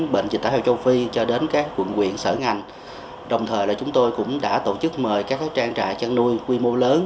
bệnh dịch tả heo châu phi cho đến các quận quyện sở ngành đồng thời là chúng tôi cũng đã tổ chức mời các trang trại chăn nuôi quy mô lớn